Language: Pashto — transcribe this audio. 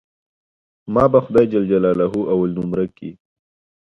ما به خداى جل جلاله اول نؤمره کي.